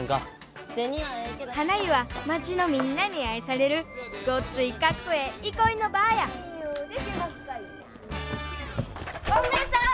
はな湯は町のみんなに愛されるごっついかっこええ憩いの場やゴンベエさん！